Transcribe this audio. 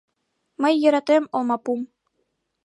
Мый йӧратем олмапум